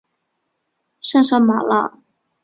圣沙马朗。